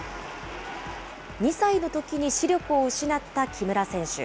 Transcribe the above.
２歳のときに視力を失った木村選手。